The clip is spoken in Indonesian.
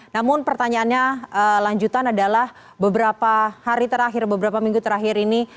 namun pertanyaannya lanjutan adalah beberapa hari terakhir beberapa minggu terakhir ini